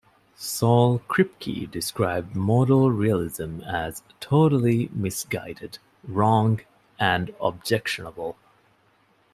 Saul Kripke described modal realism as "totally misguided", "wrong", and "objectionable".